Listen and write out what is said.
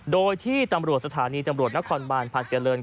โดยที่ตำรวจสถานีตำรวจนครบานพาเสียเริน